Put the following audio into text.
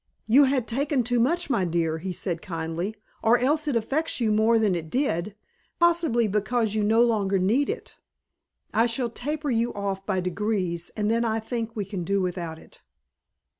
"You had taken too much, my dear," he said kindly. "Or else it affects you more than it did possibly because you no longer need it. I shall taper you off by degrees, and then I think we can do without it."